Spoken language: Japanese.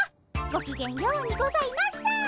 ごきげんようにございます。